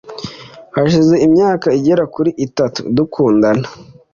“Hashize imyaka igera kuri itatu dukundana